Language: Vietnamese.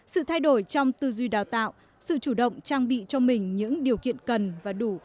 sự thay đổi trong tư duy đào tạo sự chủ động trang bị cho mình những điều kiện cần và đủ